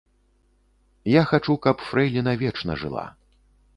Я хачу, каб фрэйліна вечна жыла.